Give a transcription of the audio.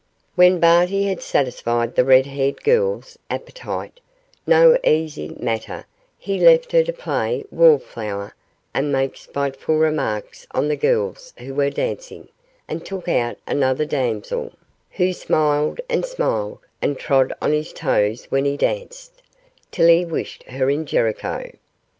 When Barty had satisfied the red haired girl's appetite no easy matter he left her to play wallflower and make spiteful remarks on the girls who were dancing, and took out another damsel, who smiled and smiled, and trod on his toes when he danced, till he wished her in Jericho.